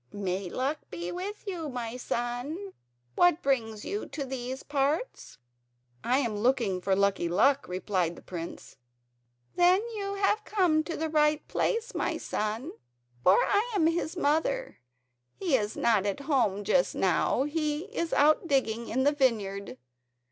"May Luck be with you, my son. What brings you into these parts?" "I am looking for Lucky Luck," replied the prince. "Then you have come to the right place, my son, for I am his mother. He is not at home just now, he is out digging in the vineyard.